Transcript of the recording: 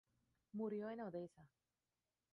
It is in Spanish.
Murió en Odessa.